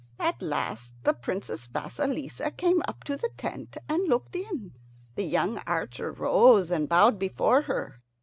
At last the Princess Vasilissa came up to the tent and looked in. The young archer rose and bowed before her.